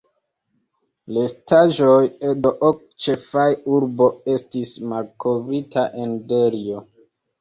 Restaĵoj de ok ĉefaj urboj estis malkovrita en Delhio.